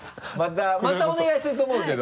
またお願いすると思うけど。